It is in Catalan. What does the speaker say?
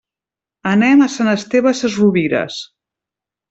Anem a Sant Esteve Sesrovires.